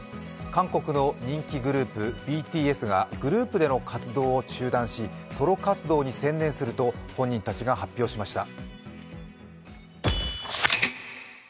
韓国の人気グループ・ＢＴＳがグループでの活動を中断しソロ活動に専念すると本人たちが発表しました。